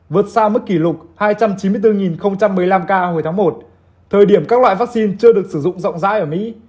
vượt xa mức kỷ lục hai trăm chín mươi bốn một mươi năm ca hồi tháng một thời điểm các loại vaccine chưa được sử dụng rộng rãi ở mỹ